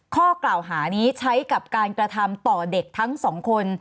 ข้อกล่าวหานี้ใช้กับการกระทำต่อเด็กทั้งสองคน